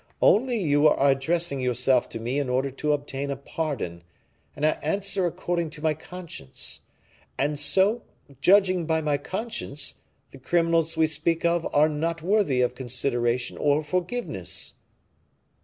"Only you are addressing yourself to me in order to obtain a pardon, and I answer according to my conscience. And so, judging by my conscience, the criminals we speak of are not worthy of consideration or forgiveness."